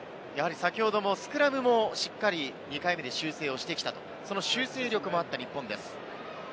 先ほどスクラムもしっかり２回目で修正をしてきた、その修正力もあった日本です。